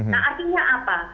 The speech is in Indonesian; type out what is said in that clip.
nah artinya apa